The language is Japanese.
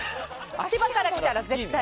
千葉から来たら、絶対。